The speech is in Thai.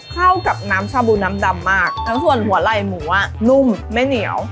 เข้ากับน้ำชาบูน้ำดำมากทั้งส่วนหัวไหล่หมูอ่ะนุ่มไม่เหนียว